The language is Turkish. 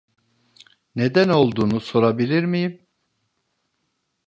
Neden olduğunu sorabilir miyim?